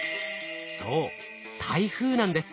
そう台風なんです。